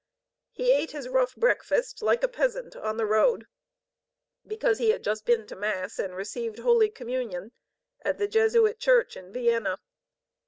He ate his rough breakfast, like a peasant, on the road, because he had just been to Mass and received Holy Communion at the Jesuit church in Vienna.